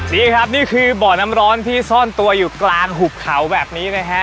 นี่ครับนี่คือบ่อน้ำร้อนที่ซ่อนตัวอยู่กลางหุบเขาแบบนี้นะฮะ